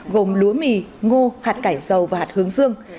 gồm lúa mì ngô hạt cải dầu và hạt hướng dương